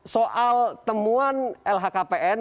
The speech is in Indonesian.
soal temuan lhkpn